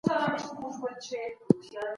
ډیپلوماسي یوازي د هوټلونو په خونو کي نه کیږي.